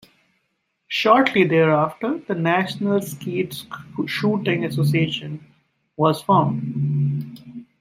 Shortly thereafter, the National Skeet Shooting Association was formed.